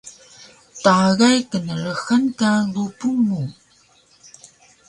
Tagay knrxan ka gupun mu